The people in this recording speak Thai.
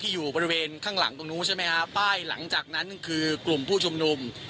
อยู่บริเวณข้างหลังตรงนู้นใช่ไหมฮะป้ายหลังจากนั้นคือกลุ่มผู้ชุมนุม